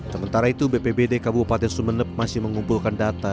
sementara itu bpbd kabupaten sumeneb masih mengumpulkan data